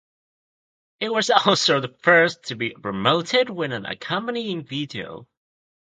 It was also the first to be promoted with an accompanying video.